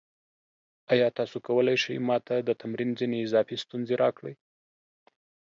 ایا تاسو کولی شئ ما ته د تمرین ځینې اضافي ستونزې راکړئ؟